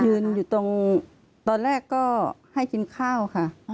ยืนอยู่ตรงตอนแรกก็ให้กินข้าวค่ะ